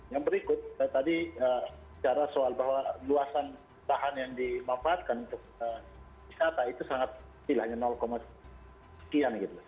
yang berikut saya tadi bicara soal bahwa luasan lahan yang dimanfaatkan untuk wisata itu sangat istilahnya sekian gitu